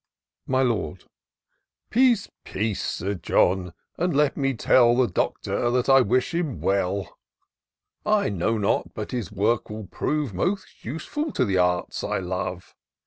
My Lord. " Peace ! peace ! Sir John, and let me tell The Doctor that I wish him well : I doubt not but his work will prove Most useful to the arts I love.